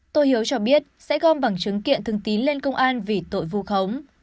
tô hiếu cho biết sẽ gom bằng chứng kiện thường tín lên công an vì tội vu khống